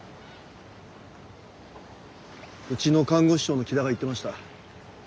うちの看護師長の木田が言ってました。